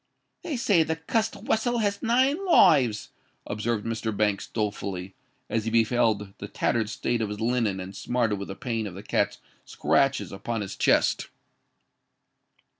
"They say the cussed wessel has nine lives," observed Mr. Banks, dolefully, as he beheld the tattered state of his linen and smarted with the pain of the cat's scratches upon his chest.